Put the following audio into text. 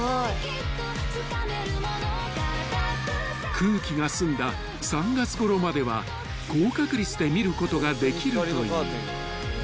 ［空気が澄んだ３月ごろまでは高確率で見ることができるという］